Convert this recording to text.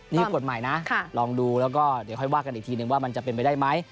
นี่คือกฎหมายนะลองดูแล้วก็เดี๋ยวค่อยว่ากันอีกทีนึงว่ามันจะเป็นไปได้ไหม